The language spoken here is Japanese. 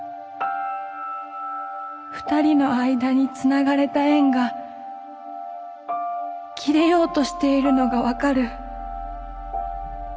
二人の間につながれた縁が切れようとしているのが分かる。